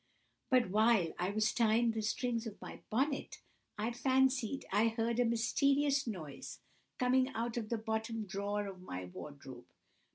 But while I was tying the strings of my bonnet, I fancied I heard a mysterious noise coming out of the bottom drawer of my wardrobe.